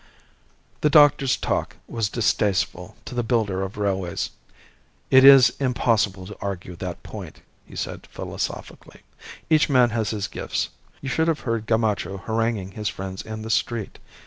The doctor's talk was distasteful to the builder of railways. "It is impossible to argue that point," he said, philosophically. "Each man has his gifts. You should have heard Gamacho haranguing his friends in the street.